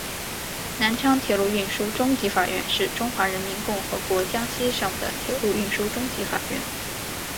南昌铁路运输中级法院是中华人民共和国江西省的铁路运输中级法院。